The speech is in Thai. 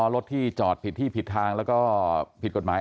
รถที่จอดผิดที่ผิดทางแล้วก็ผิดกฎหมาย